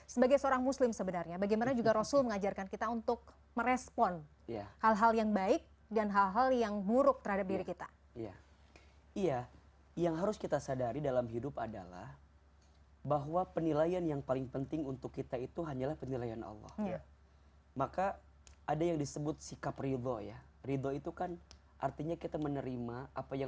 sebagai seorang muslim sebenarnya bagaimana juga rasul mengajarkan kita untuk merespon